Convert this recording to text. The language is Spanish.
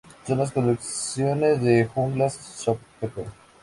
Son las colecciones de Juglans spp.